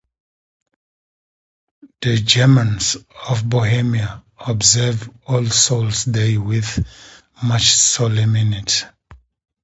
The Germans of Bohemia observe All Souls' Day with much solemnity.